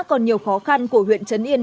còn nhiều khó khăn của huyện trấn yên